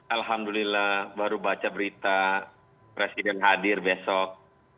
alhamdulillah baru baca berita presiden hadir besok